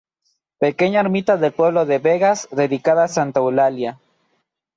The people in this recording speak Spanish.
Pequeña ermita del pueblo de Begas dedicada a Santa Eulalia.